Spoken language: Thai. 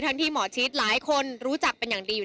ที่หมอชิดหลายคนรู้จักเป็นอย่างดีอยู่